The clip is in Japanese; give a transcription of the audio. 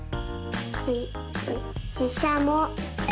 ししししゃも。